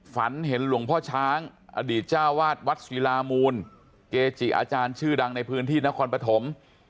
ฝันเห็นหลวงพ่อช้างอดีตเจ้าวาดวัดศิลามูลเกจิอาจารย์ชื่อดังในพื้นที่นครปฐม